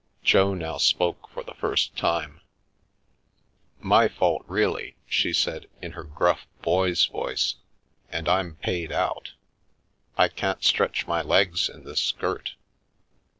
Jo now spoke for the first time. " My fault really," she said, in her gruff boy's voice, " and I'm paid out. I can't stretch my legs in this skirt."